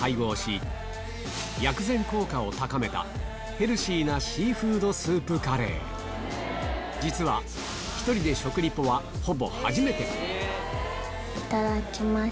ヘルシーなシーフードスープカレー実はいただきます。